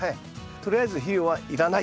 とりあえず肥料はいらない。